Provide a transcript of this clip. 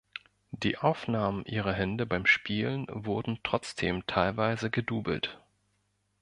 Die Aufnahmen ihrer Hände beim Spielen wurden trotzdem teilweise gedoubelt.